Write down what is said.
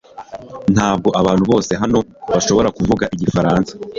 Ntabwo abantu bose hano bashobora kuvuga igifaransa